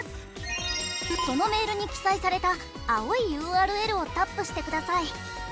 そのメールに記載された青いＵＲＬをタップしてください。